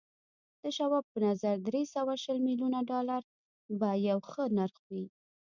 د شواب په نظر دري سوه شل ميليونه ډالر به يو ښه نرخ وي.